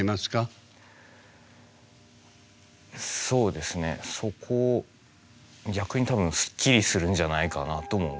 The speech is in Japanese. そうですねそこ逆に多分スッキリするんじゃないかなあとも思います。